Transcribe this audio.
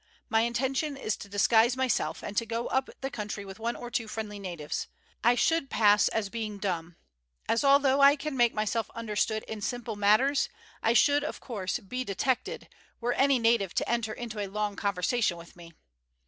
My intention is to disguise myself, and to go up the country with one or two friendly natives. I should pass as being dumb; as although I can make myself understood in simple matters I should, of course, be detected were any native to enter into a long conversation with me.